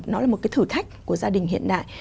nó là một cái thử thách của gia đình hiện đại